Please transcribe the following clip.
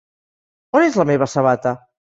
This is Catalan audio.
On és la meva sabata?